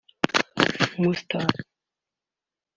Mutsar